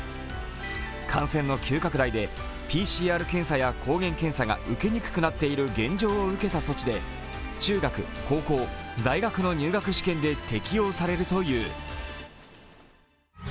感染の急拡大でＰＣＲ検査や抗原検査が受けにくくなっている現状を受けた措置で、中学、高校、大学の入学試験で適用されるという。